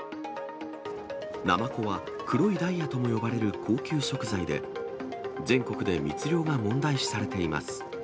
ナマコは黒いダイヤとも呼ばれる高級食材で、全国で密漁が問題視されています。